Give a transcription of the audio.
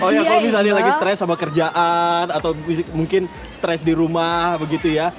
oh ya kalau misalnya lagi stres sama kerjaan atau mungkin stres di rumah begitu ya